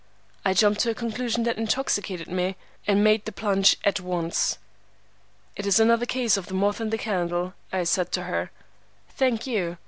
I jumped to a conclusion that intoxicated me, and made the plunge at once. "'It is another case of the moth and the candle,' I said to her. "'Thank you.